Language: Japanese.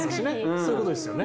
そういうことですよね。